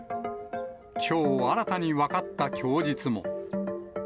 きょう新たに分かった供述も。